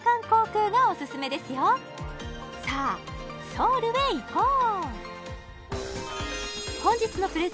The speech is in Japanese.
ソウルへ行こう！